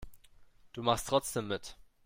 Du machst trotzdem mit.